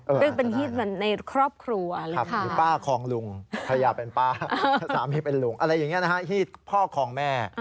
เพราะเป็นฮีดอย่างในครอบครัวสามีเป็นลุงอะไรแบบนี้ฮีดพ่อครองแม่